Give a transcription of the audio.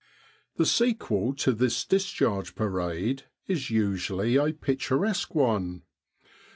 The sequel to this Discharge Parade is usually a picturesque one.